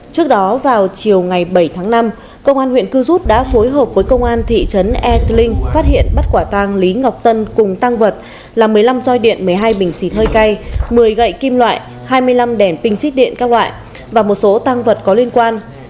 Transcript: trước đó vào chiều ngày bảy tháng năm công an huyện cư rút đã phối hợp với công an thị trấn eki linh phát hiện bắt quả tang lý ngọc tân cùng tăng vật là một mươi năm roi điện một mươi hai bình xịt hơi cay một mươi gậy kim loại hai mươi năm đèn pin trích điện các loại và một số tăng vật có liên quan